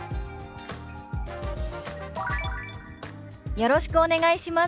「よろしくお願いします」。